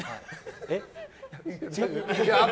えっ？